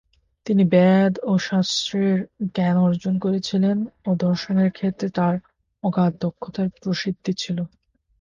তিনি বেদ ও শাস্ত্রের জ্ঞান অর্জন করেছিলেন ও দর্শনের ক্ষেত্রে তার অগাধ দক্ষতার প্রসিদ্ধি ছিল।